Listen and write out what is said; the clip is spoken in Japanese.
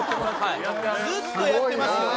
ずっとやってますね。